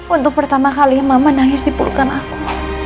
untuk pertama kali mama nangis tipulkan aku